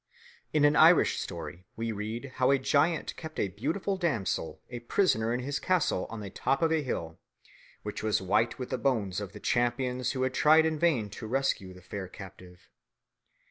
In an Irish story we read how a giant kept a beautiful damsel a prisoner in his castle on the top of a hill, which was white with the bones of the champions who had tried in vain to rescue the fair captive.